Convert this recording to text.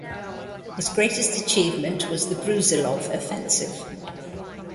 His greatest achievement was the Brusilov offensive.